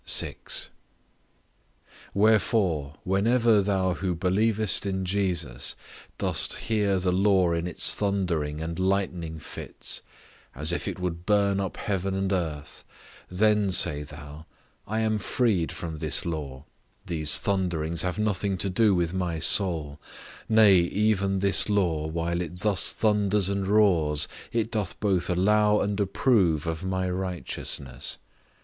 6. Wherefore, whenever thou who believest in Jesus, dost hear the law in its thundering and lightning fits, as if it would burn up heaven and earth, then say thou, I am freed from this law, these thunderings have nothing to do with my soul; nay, even this law, while it thus thunders and roars, it doth both allow and approve of my righteousness.